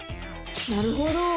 なるほど！